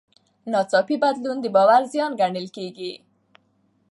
ناڅاپي بدلون د باور زیان ګڼل کېږي.